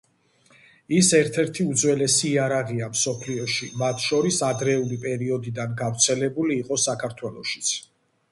ის, ერთ-ერთი უძველესი იარაღია მსოფლიოში, მათ შორის ადრეული პერიოდიდან გავრცელებული იყო საქართველოშიც.